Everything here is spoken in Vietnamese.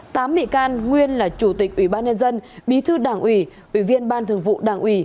tám bị can nguyên là chủ tịch ủy ban nhân dân bí thư đảng ủy ủy viên ban thường vụ đảng ủy